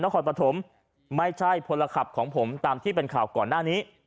นครปฐมไม่ใช่พลขับของผมตามที่เป็นข่าวก่อนหน้านี้